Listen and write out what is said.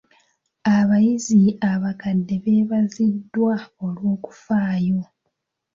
Abayizi abakadde beebaziddwa olw'okufaayo.